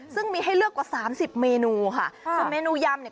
ซึ่งมีให้เลือกกว่าสามสิบเมนูค่ะส่วนเมนูยำเนี่ย